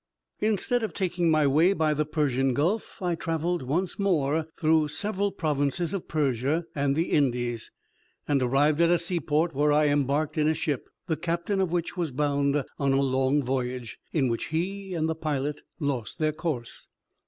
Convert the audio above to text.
Instead of taking my way by the Persian Gulf, I travelled once more through several provinces of Persia and the Indies, and arrived at a seaport, where I embarked in a ship, the captain of which was bound on a long voyage, in which he and the pilot lost their course.